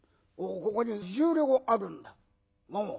ここに１０両あるんだ。